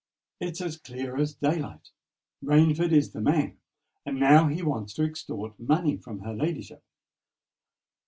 It's as clear as day light! Rainford is the man—and now he wants to extort money from her ladyship.